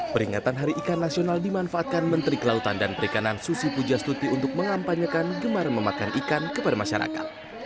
peringatan hari ikan nasional dimanfaatkan menteri kelautan dan perikanan susi pujastuti untuk mengampanyakan gemar memakan ikan kepada masyarakat